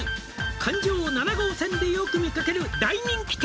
「環状７号線でよく見かける大人気店」